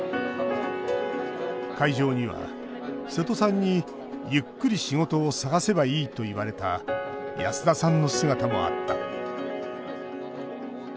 会場には、瀬戸さんに「ゆっくり仕事を探せばいい」と言われた安田さんの姿もあった。